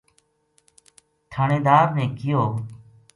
تھہانیدار نے کہیو